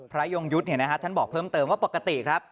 ยงยุทธ์ท่านบอกเพิ่มเติมว่าปกติครับ